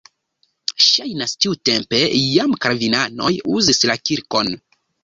Ŝajnas, tiutempe jam kalvinanoj uzis la kirkon.